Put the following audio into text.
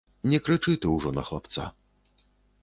Не крычы ты ўжо на хлапца.